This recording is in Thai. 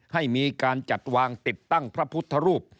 ให้มีการจัดวางติดตั้งพระพุทธรูป